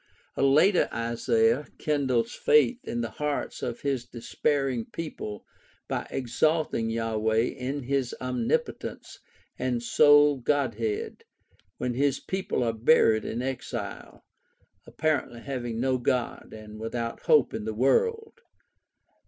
A later "Isaiah" kindles faith in the hearts of his despairing people by exalting Yahweh in his omnipotence and sole god head, when his people are buried in exile, apparently having "no God, and without hope in the world."